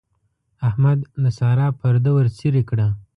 احمد د سارا پرده ورڅېرې کړه.